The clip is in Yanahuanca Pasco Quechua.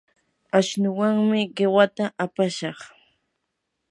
ashnuwanmi qiwata apashaq.